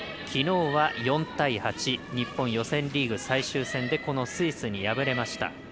きのうは４対８日本予選リーグ最終戦でこのスイスに敗れました。